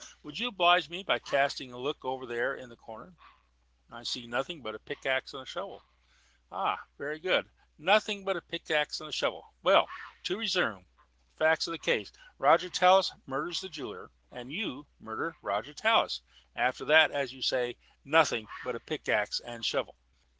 Would you oblige me by casting a look over there in the corner?" "I see nothing but a pickaxe and shovel." "Ha! very good; 'nothing but a pickaxe and shovel.' Well, to resume: facts of the case Roger Tallis murders the jeweller, and you murder Roger Tallis; after that, as you say, 'nothing but a pickaxe and shovel.'"